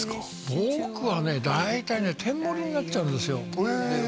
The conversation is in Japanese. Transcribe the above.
僕はね大体ね天もりになっちゃうんですよへえ